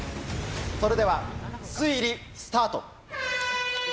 それでは推理スタート！